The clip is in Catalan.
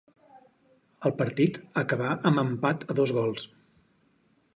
El partit acabà amb empat a dos gols.